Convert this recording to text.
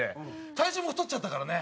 体重も太っちゃったからね。